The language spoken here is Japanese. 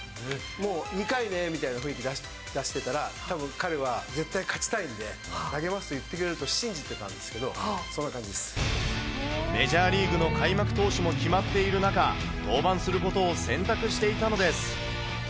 もう２回ね、みたいな雰囲気出してたら、たぶん、彼は絶対勝ちたいんで、投げますと言ってくれると信じてたんですけど、そんな感メジャーリーグの開幕投手も決まっている中、登板することを選択していたのです。